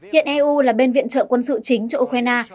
hiện eu là bên viện trợ quân sự chính cho ukraine